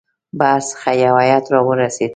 بهر څخه یو هیئات را ورسېد.